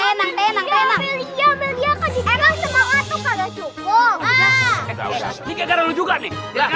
ini gara gara lu juga nih